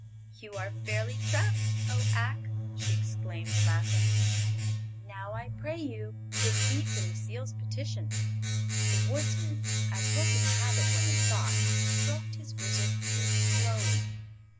"You are fairly trapped, O Ak!" she exclaimed, laughing. "Now, I pray you, give heed to Necile's petition." The Woodsman, as was his habit when in thought, stroked his grizzled beard slowly.